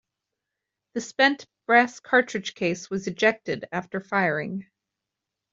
The spent brass cartridge case was ejected after firing.